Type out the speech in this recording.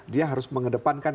dia harus mengedepankan